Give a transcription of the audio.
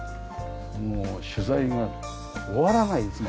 もう取材が終わらないですね。